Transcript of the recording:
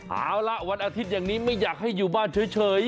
เอาละวันอาทิตย์อย่างนี้ไม่อยากให้อยู่บ้านเฉย